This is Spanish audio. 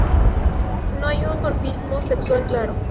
No hay un dimorfismo sexual claro.